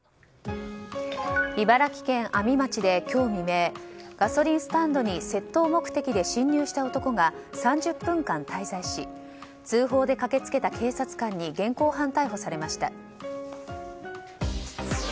茨城県阿見町で今日未明ガソリンスタンドに窃盗目的で侵入した男が３０分間滞在し通報で駆けつけた警察官に現行犯逮捕されました。